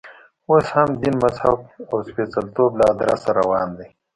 اوس هم دین، مذهب او سپېڅلتوب له ادرسه روان دی.